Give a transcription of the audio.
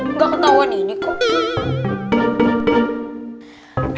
enggak ketahuan ini kok